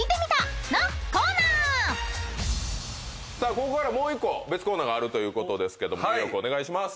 さあここからもう１個別コーナーがあるということですけどもニューヨークお願いします！